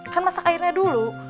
kan masak airnya dulu